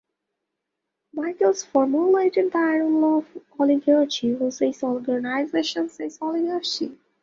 Michels formulated the "Iron Law of Oligarchy": "Who says organization, says oligarchy.